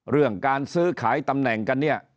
เรื่องการซื้อขายตำแหน่งกันเนี่ย